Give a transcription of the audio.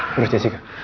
turun ke jessica